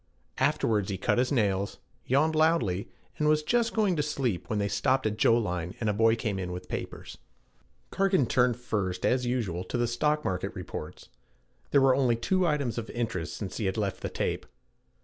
Afterwards he cut his nails, yawned loudly, and was just going to sleep when they stopped at Joline and a boy came in with papers. Cargan turned first, as usual, to the stock market reports. There were only two items of interest since he had left the tape.